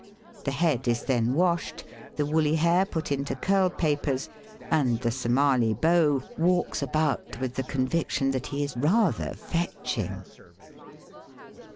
The head is then washed, the woolly hair put into curl papers, and the SomaU beau walks about with the conviction that he is rather fetching.